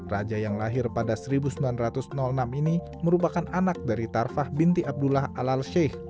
raja yang lahir pada seribu sembilan ratus enam ini merupakan anak dari tarfah binti abdullah al al sheikh